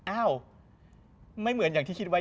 อ้าวไม่เหมือนอย่างที่คิดไว้